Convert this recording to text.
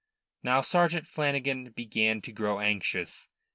Now Sergeant Flanagan began to grow anxious.